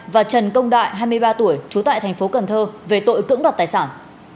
và trần công đại hai mươi ba tuổi trú tại thành phố cần thơ về tội cưỡng đoạt tài sản